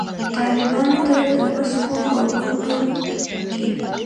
طالبانو ته د مسکو په غونډه کې